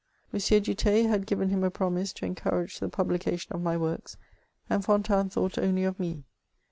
M. du Theil had g^ven him a promise to encourage the publication of my works, and Fontanes thought only of me.